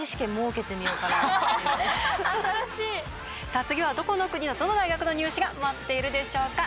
さあ次はどこの国のどの大学のニュー試が待っているでしょうか。